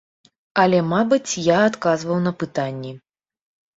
Але, мабыць, я адказваў на пытанні.